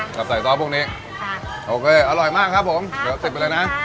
กับใส่ซอสพวกนี้ค่ะโอเคอร่อยมากครับผมเดี๋ยวติดไปเลยนะ